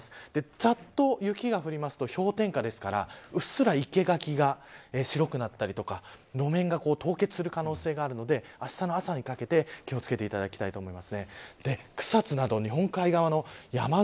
ざっと雪が降ると氷点下ですからうっすら生け垣が白くなったりとか路面が凍結する可能性があるのであしたの朝にかけて、気を付けていただきたいと思います。